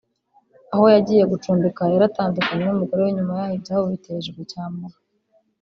Aho yagiye gucumbika yaratandukanye n’umugore we nyuma yaho ibyabo bitejwe cyamura